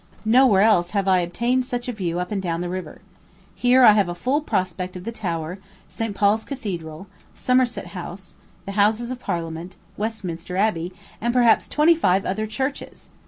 Nowhere else have I obtained such a view up and down the river. Here I have a full prospect of the Tower, St. Paul's Cathedral, Somerset House, the Houses of Parliament, Westminster Abbey, and perhaps twenty five other churches!